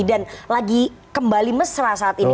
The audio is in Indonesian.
dan lagi kembali mesra saat ini